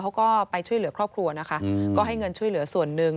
เขาก็ไปช่วยเหลือครอบครัวนะคะก็ให้เงินช่วยเหลือส่วนหนึ่ง